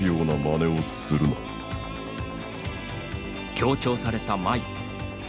強調された眉。